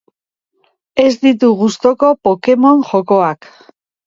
Ez ditu gustuko Pokemon jokoak.